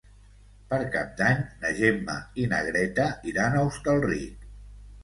Per Cap d'Any na Gemma i na Greta iran a Hostalric.